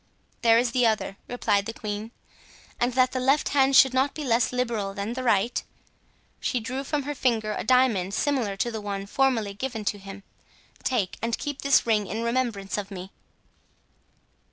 "There is the other," replied the queen; "and that the left hand should not be less liberal than the right," she drew from her finger a diamond similar to the one formerly given to him, "take and keep this ring in remembrance of me.